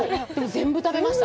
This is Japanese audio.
全部食べました。